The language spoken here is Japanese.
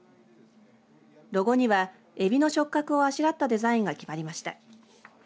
ロゴにはえびの触覚をあしらったデザインが決まりました。